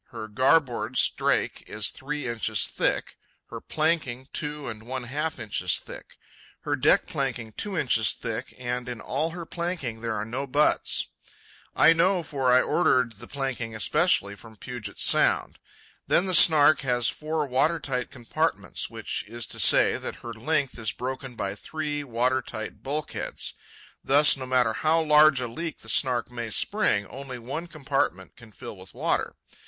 Her garboard strake is three inches thick; her planking two and one half inches thick; her deck planking two inches thick and in all her planking there are no butts. I know, for I ordered that planking especially from Puget Sound. Then the Snark has four water tight compartments, which is to say that her length is broken by three water tight bulkheads. Thus, no matter how large a leak the Snark may spring, Only one compartment can fill with water.